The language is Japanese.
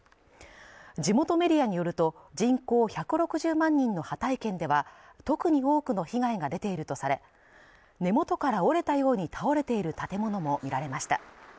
地元メディアによると人口１６０万人のハタイ県では特に多くの被害が出ているとされ根元から折れたように倒れている建物も見られました